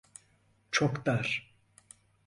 Çok dar.